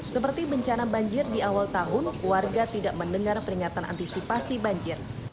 seperti bencana banjir di awal tahun warga tidak mendengar peringatan antisipasi banjir